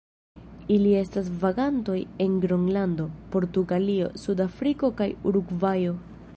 Ili estas vagantoj en Gronlando, Portugalio, Sudafriko kaj Urugvajo.